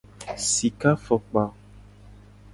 Sika fokpa.